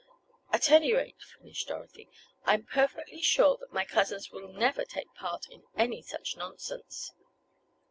"At any rate," finished Dorothy, "I'm perfectly sure that my cousins will never take part in any such nonsense."